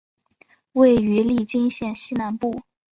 位于利津县西南部。